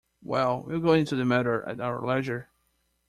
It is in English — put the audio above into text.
Well, we’ll go into the matter at our leisure.